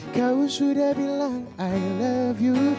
kau sudah bilang i love you